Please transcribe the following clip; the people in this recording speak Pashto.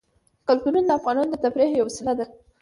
کلتور د افغانانو د تفریح یوه وسیله ده.